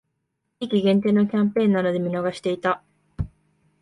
地域限定のキャンペーンなので見逃していた